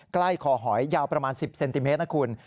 ใกล้คอหอยยาวประมาณ๑๐เซนติเมตร